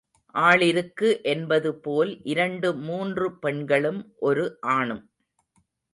ஆளிருக்கு என்பதுபோல் இரண்டு மூன்று பெண்களும், ஒரு ஆணும்.